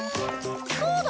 そうだ！